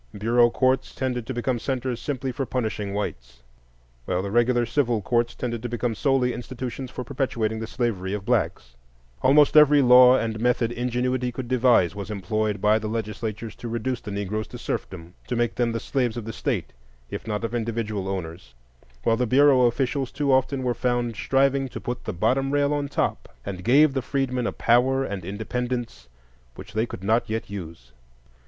Bureau courts tended to become centres simply for punishing whites, while the regular civil courts tended to become solely institutions for perpetuating the slavery of blacks. Almost every law and method ingenuity could devise was employed by the legislatures to reduce the Negroes to serfdom,—to make them the slaves of the State, if not of individual owners; while the Bureau officials too often were found striving to put the "bottom rail on top," and gave the freedmen a power and independence which they could not yet use.